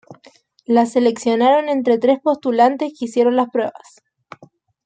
La seleccionaron entre tres postulantes que hicieron las pruebas.